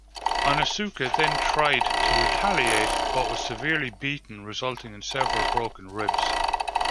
Onitsuka then tried to retaliate but was severely beaten resulting in several broken ribs.